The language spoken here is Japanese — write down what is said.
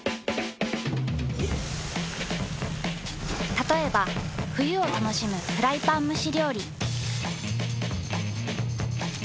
たとえば冬を楽しむフライパン蒸し料理。